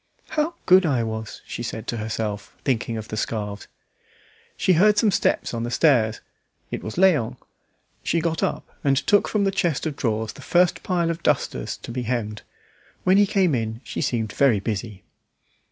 "How good I was!" she said to herself, thinking of the scarves. She heard some steps on the stairs. It was Léon. She got up and took from the chest of drawers the first pile of dusters to be hemmed. When he came in she seemed very busy.